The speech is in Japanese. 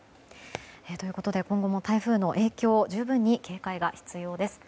ということで、今後も台風の影響十分に警戒が必要です。